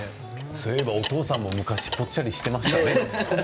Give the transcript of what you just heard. そういえばお父さんも昔ぽっちゃりしていましたね。